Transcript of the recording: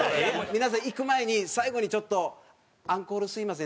皆さん行く前に最後にちょっとアンコール「スミマセン！」